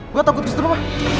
gue takut disitu pak